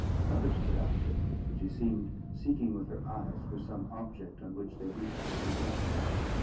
Another spell; and she seemed seeking with her eyes for some object on which they wished to rest.